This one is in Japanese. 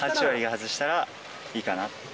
８割が外したら、いいかな。